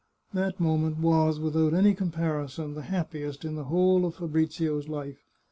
That moment was, without any comparison, the happiest in the whole of Fabrizio's life.